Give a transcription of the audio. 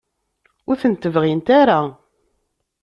Ur tent-bɣint ara?